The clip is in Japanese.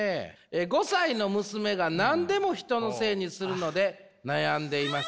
「５歳の娘が何でも人のせいにするので悩んでいます。